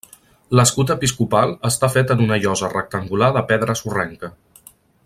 L'escut episcopal està fet en una llosa rectangular de pedra sorrenca.